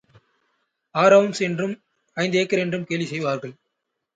ஆறு அவுன்ஸ் என்றும் ஐந்து ஏக்கர் என்று கேலி செய்வார்கள்.